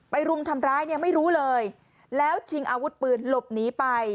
รุมทำร้ายเนี่ยไม่รู้เลยแล้วชิงอาวุธปืนหลบหนีไป